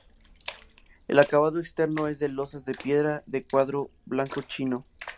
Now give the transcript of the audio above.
El acabado externo es de lozas de piedra de cuarzo blanco chino.